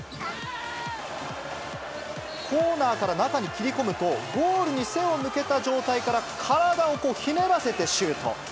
コーナーから中に切り込むと、ゴールに背を向けた状態から、体をひねらせてシュート。